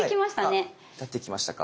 あっ立ってきましたか。